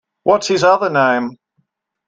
What’s his other name?